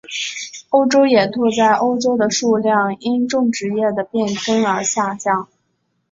欧洲野兔在欧洲的数量因种植业的变更而下降。